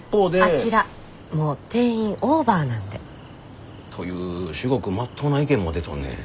あちらもう定員オーバーなんで。という至極まっとうな意見も出とんねん。